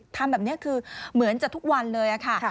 ทำแบบนี้คือเหมือนจะทุกวันเลยค่ะ